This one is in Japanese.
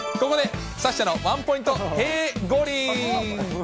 ここでサッシャのワンポイントへぇ五輪。